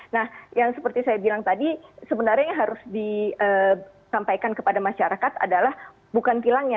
nah yang seperti saya bilang tadi sebenarnya yang harus disampaikan kepada masyarakat adalah bukan tilangnya